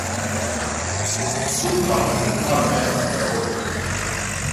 This caused an automatic divorce.